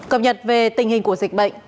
cập nhật về tình hình của dịch bệnh